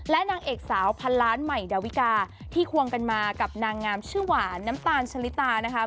นางเอกสาวพันล้านใหม่ดาวิกาที่ควงกันมากับนางงามชื่อหวานน้ำตาลชะลิตานะคะ